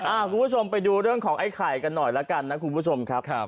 คุณผู้ชมไปดูเรื่องของไอ้ไข่กันหน่อยแล้วกันนะคุณผู้ชมครับ